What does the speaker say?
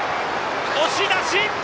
押し出し！